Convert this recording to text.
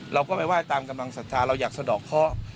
เราก็ไปไห้ตามกำลังศรัทธาเราอยากสะดอกเคาะ